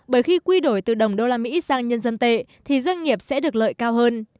bởi khi quy đổi từ đồng đô la mỹ sang nhân dân tệ thì doanh nghiệp sẽ được lợi cao hơn